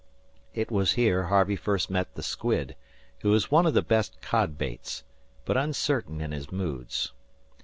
It was here Harvey first met the squid, who is one of the best cod baits, but uncertain in his moods.